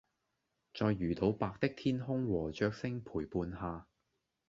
在魚肚白的天空和雀聲陪伴下